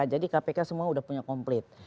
jadi kpk semua sudah punya uang